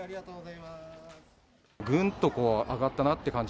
ぐんと上がったなっていう感じ。